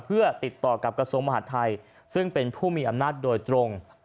เพื่อติดต่อกับกระทรวงมหาดไทยซึ่งเป็นผู้มีอำนาจโดยตรง